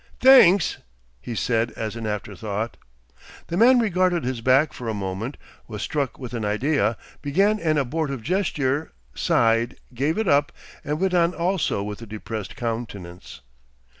"Thenks," he, said as an afterthought. The man regarded his back for a moment, was struck with an idea, began an abortive gesture, sighed, gave it up, and went on also with a depressed countenance.